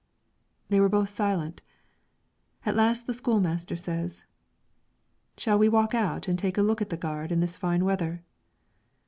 They were both silent; at last the school master says, "Shall we walk out and take a look at the gard in this fine weather?"